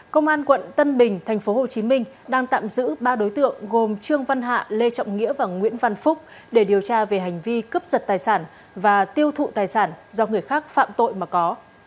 công an quận tân bình tp hcm đang tạm giữ ba đối tượng gồm trương văn hạ lê trọng nghĩa và nguyễn văn phúc để điều tra về hành vi cướp giật tài sản và tiêu thụ tài sản do người khác phạm tội mà có